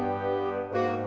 ya pak sofyan